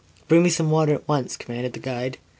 "Bring me some water at once," commanded the guide.